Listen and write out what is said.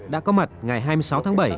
đã có mặt ngày hai mươi sáu tháng bảy